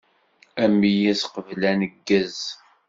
Ameyyez qbel aneggez.